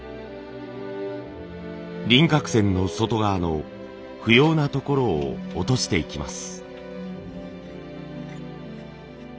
輪郭線の外側の不要な所を落としていきます。